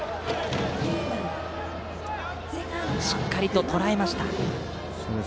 しっかりととらえました。